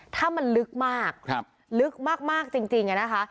ถ้ามันลึกมากลึกมากจริงอะนะคะ